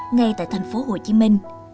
ngay tại thành phố hồ chí minh